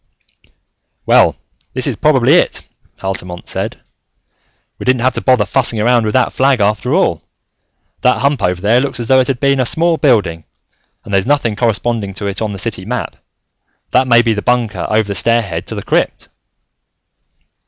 "Well, this is probably it," Altamont said. "We didn't have to bother fussing around with that flag after all. That hump over there looks as though it had been a small building, and there's nothing corresponding to it on the city map. That may be the bunker over the stair head to the crypt."